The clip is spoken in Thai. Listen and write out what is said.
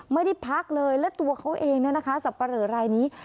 ไม่ได้พักเลยและตัวเขาเองนะคะสับปะเริ่มรายนี้